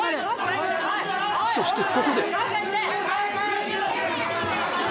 そしてここで！